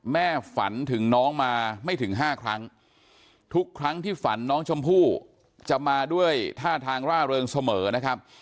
ฝันถึงน้องมาไม่ถึง๕ครั้งทุกครั้งที่ฝันน้องชมพู่จะมาด้วยท่าทางร่าเริงเสมอนะครับ